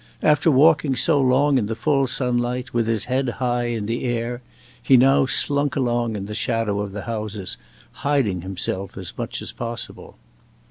After walking so long in the full sunlight, with his head high in the air, he now slunk along in the shadow of the houses, hiding himself as much as possible.